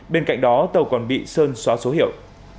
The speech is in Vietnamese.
bên cạnh đó tàu còn bị sơn xóa số hiệu